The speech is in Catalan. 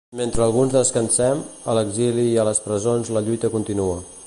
Mentre alguns descansem, a l'exili i a les presons la lluita continua.